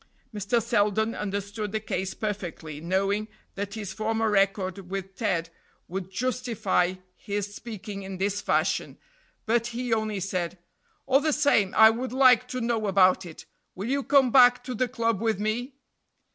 Mr. Selden understood the case perfectly, knowing that his former record with Ted would justify his speaking in this fashion; but he only said: "All the same, I would like to know about it. Will you come back to the club with me?"